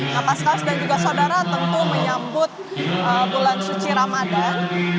kapas kav dan juga saudara tentu menyambut bulan suci ramadan